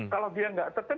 kalau dia gak tertib